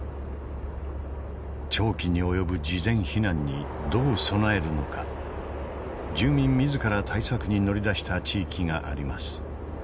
長期に及ぶ事前避難にどう備えるのか住民自ら対策に乗り出した地域があります。